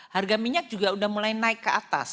harga minyak juga udah mulai naik ke atas